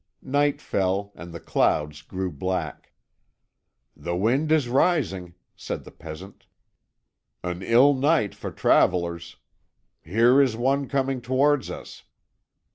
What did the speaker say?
Night fell, and the clouds grew black. "The wind is rising," said the peasant; "an ill night for travellers. Here is one coming towards us."